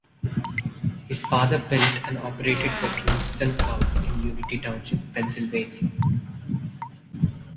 His father built and operated the Kingston House in Unity Township, Pennsylvania.